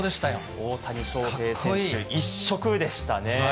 大谷翔平選手、一色でしたね。